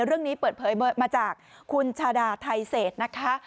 เรื่องนี้เปิดเผยมาจากคุณชาดาไทเศษนะคะ